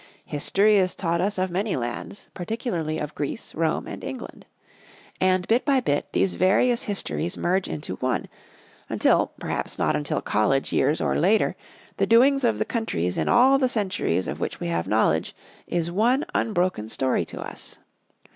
History is taught us of many lands, particularly of Greece, Rome, and England. And, bit by bit, these various histories merge into one, until, perhaps not until college years or later, the doings of the countries in all the centuries of which we have knowledge is one unbroken story to us.